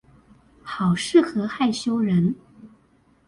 好適合害羞人